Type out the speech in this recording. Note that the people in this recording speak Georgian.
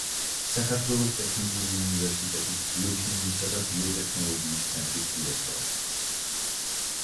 საქართველოს ტექნიკური უნივერსიტეტის ბიოქიმიისა და ბიოტექნოლოგიის ცენტრის დირექტორი.